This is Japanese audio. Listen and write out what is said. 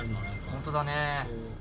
本当だね。